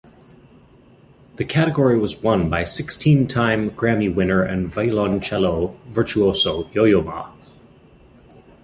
The category was won by sixteen-time Grammy winner and violoncello virtuoso Yo-Yo Ma.